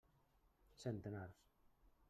Centenars.